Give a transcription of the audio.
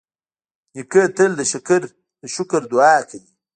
نیکه تل د شکر دعا کوي.